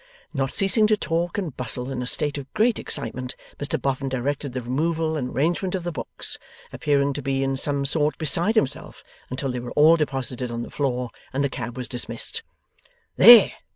Not ceasing to talk and bustle, in a state of great excitement, Mr Boffin directed the removal and arrangement of the books, appearing to be in some sort beside himself until they were all deposited on the floor, and the cab was dismissed. 'There!